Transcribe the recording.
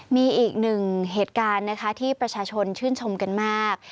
มีอีกหนึ่งเหตุการณ์นะคะที่ประชาชนชื่นชมกันมาก